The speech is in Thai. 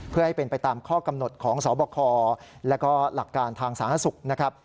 เพื่อให้เป็นไปตามข้อกำหนดของสบคและก็หลักการทางสาธารณสุขนะครับ